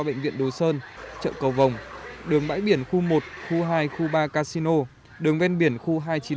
bệnh viện đồ sơn chợ cầu vồng đường bãi biển khu một khu hai khu ba casino đường ven biển khu hai trăm chín mươi